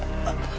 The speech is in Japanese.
あっ